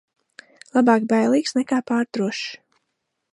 Labāk bailīgs nekā pārdrošs.